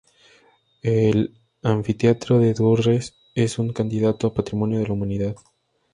El Anfiteatro de Durrës es un candidato a Patrimonio de la Humanidad.